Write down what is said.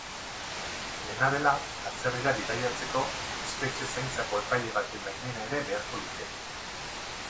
Dena dela, atzerrira bidaiatzeko espetxe zaintzako epaile baten baimena ere beharko luke.